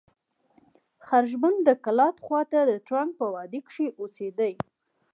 خرښبون د کلات خوا ته د ترنک په وادي کښي اوسېدئ.